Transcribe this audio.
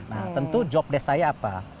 nah tentu job desk saya apa